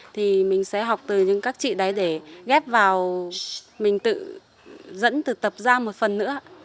thì mình sẽ học từ những các chị đấy để ghép vào mình tự dẫn từ tập ra một phần nữa